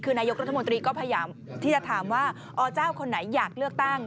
คือนายกรัฐมนตรีก็พยายามที่จะถามว่าอเจ้าคนไหนอยากเลือกตั้ง